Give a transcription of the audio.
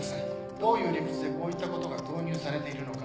どういう理屈でこういったことが導入されているのか。